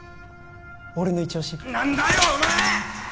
俺のイチオシ何だよお前！